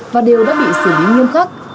và đều đã bị xử lý nghiêm khắc